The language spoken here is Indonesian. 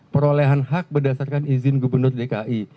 perolehan hak berdasarkan izin gubernur dki